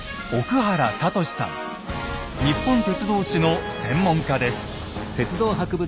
日本鉄道史の専門家です。